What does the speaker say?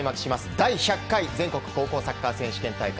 第１００回全国高校サッカー選手権大会。